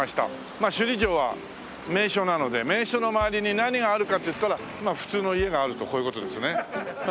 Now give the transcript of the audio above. まあ首里城は名所なので名所の周りに何があるかっていったらまあ普通の家があるとこういう事ですね。